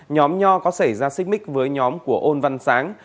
nhóm nho có xảy ra xích mích với nhóm của ôn văn sáng